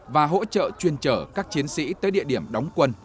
và hỗ trợ chuyên trở các chiến sĩ tới địa điểm đóng quân